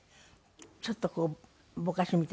ちょっとこうぼかしみたいな。